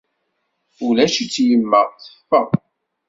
Ulac-itt yemma, teffeɣ.